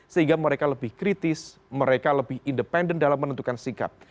sehingga mereka lebih kritis mereka lebih independen dalam menentukan sikap